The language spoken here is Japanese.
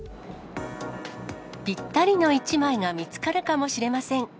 ぴったりの１枚が見つかるかもしれません。